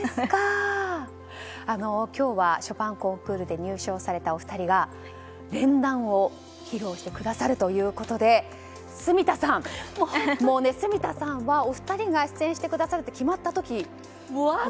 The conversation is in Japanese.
今日はショパンコンクールで入賞されたお二人が連弾を披露してくださるということで住田さんはお二人が出演してくれると決まった時。